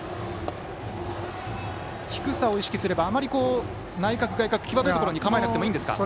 低さを意識すれば、内角、外角際どいところに構えなくてもいいんですか。